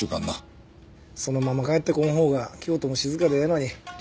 そのまま帰って来んほうが京都も静かでええのに。